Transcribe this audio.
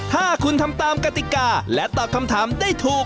ถ้าคุณทำตามกติกาและตอบคำถามได้ถูก